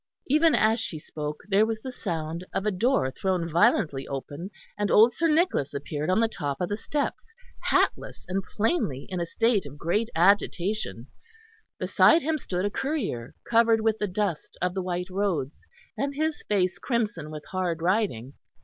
Even as she spoke there was the sound of a door thrown violently open and old Sir Nicholas appeared on the top of the steps, hatless and plainly in a state of great agitation; beside him stood a courier, covered with the dust of the white roads, and his face crimson with hard riding.